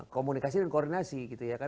komunikasi dan koordinasi gitu ya kan